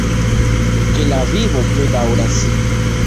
Ke la vivo plu daŭras!